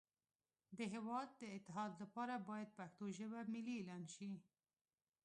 د هیواد د اتحاد لپاره باید پښتو ژبه ملی اعلان شی